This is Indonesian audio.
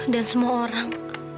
dan semua orang